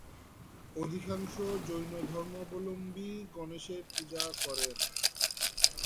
অধিকাংশ জৈন ধর্মাবলম্বী গণেশের পূজা করেন।